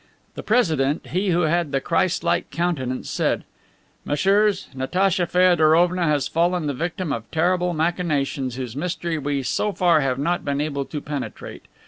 '" The president, he who had the Christ like countenance, said: "Messieurs, Natacha Feodorovna has fallen the victim of terrible machinations whose mystery we so far have not been able to penetrate.